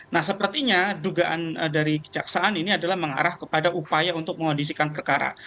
nah sepertinya dugaan dari kejaksaan ini adalah mengarah kepada upaya untuk mengondisikan perkara